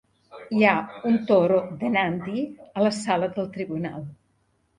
Hi ha un toro de Nandi a la sala del tribunal.